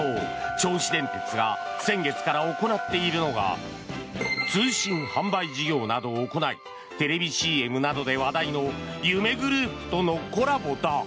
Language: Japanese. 銚子電鉄が先月から行っているのが通信販売事業などを行いテレビＣＭなどで話題の夢グループとのコラボだ。